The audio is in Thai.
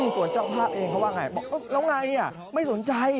ตัวเจ้าภาพเองเขาว่าไงบอกแล้วไงไม่สนใจ